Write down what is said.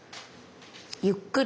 ゆっくり。